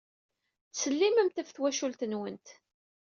Ttsellimemt ɣef twacult-nwent.